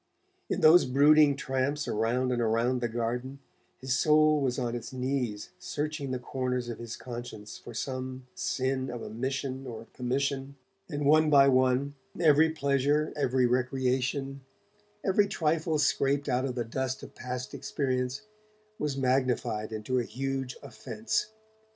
In those brooding tramps around and around the garden, his soul was on its knees searching the corners of his conscience for some sin of omission or commission, and one by one every pleasure, every recreation, every trifle scraped out of the dust of past experience, was magnified into a huge offence.